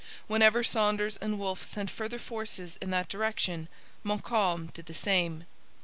Whenever Saunders and Wolfe sent further forces in that direction Montcalm did the same.